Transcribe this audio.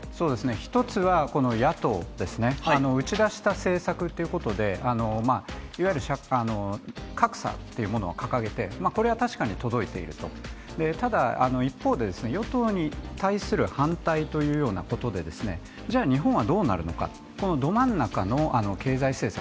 １つは野党ですね、打ち出した政策ということで、いわゆる格差っていうものを掲げてこれは確かに届いていると、ただ一方で与党に対する反対というようなことで日本はどうなるのか、ど真ん中の経済政策